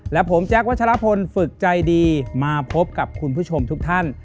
และผมแจ๊ควัชลพลฝึกใจดีมาพบกับคุณผู้ชมทุกท่าน